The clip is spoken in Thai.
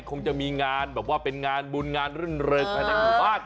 คงจะมีงานแบบว่าเป็นงานบุญงานรื่นเริงภายในหมู่บ้าน